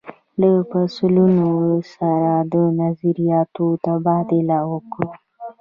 له پرسونل سره د نظریاتو تبادله وکړو.